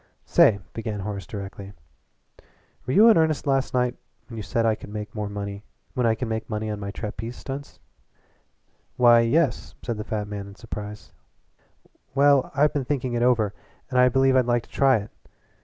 "Say," began Horace directly, "were you in earnest last night when you said I could make money on my trapeze stunts?" "Why, yes," said the fat man in surprise. "Well, I've been thinking it over, and I believe I'd like to try it.